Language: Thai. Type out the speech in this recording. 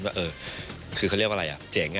ว่าเออคือเขาเรียกว่าอะไรอ่ะเจ๋ง